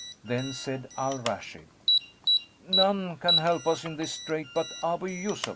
Then said Al Rashid, "None can help us in this strait but Abъ Yъsuf."